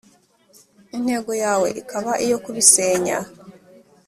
intego yawe ikaba iyo kubisenya.